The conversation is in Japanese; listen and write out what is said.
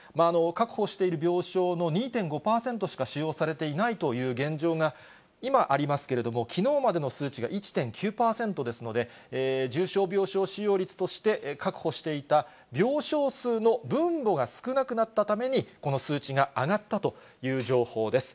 確保している病床の２．５％しか使用されていないという現状が、今、ありますけれども、きのうまでの数値が１．９％ですので、重症病床使用率として確保していた病床数の分母が少なくなったために、この数値が上がったという情報です。